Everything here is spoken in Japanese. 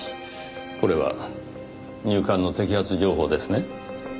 これは入管の摘発情報ですね？